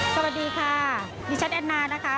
สวัสดีค่ะดิฉันแอนนานะคะ